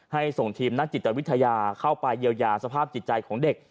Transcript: ส่งทีมนักจิตวิทยาเข้าไปเยียวยาสภาพจิตใจของเด็ก